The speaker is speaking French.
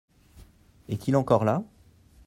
Est-il encore là ?